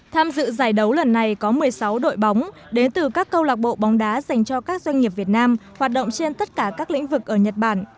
tham dự giải đấu lần này có một mươi sáu đội bóng đến từ các câu lạc bộ bóng đá dành cho các doanh nghiệp việt nam hoạt động trên tất cả các lĩnh vực ở nhật bản